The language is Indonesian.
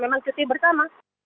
pak anissa dan juga bram